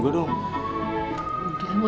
kan surprise ma